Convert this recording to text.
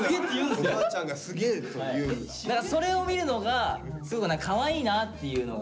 だからそれを見るのがすごくかわいいなっていうのが。